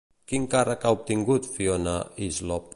Quin càrrec ha obtingut Fiona Hyslop?